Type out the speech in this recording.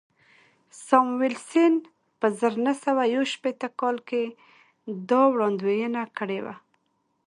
ساموېلسن په زر نه سوه یو شپېته کال کې دا وړاندوینه کړې وه